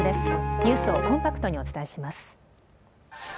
ニュースをコンパクトにお伝えします。